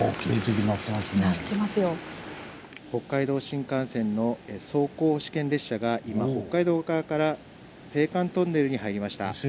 「北海道新幹線の走行試験列車が今北海道側から青函トンネルに入りました。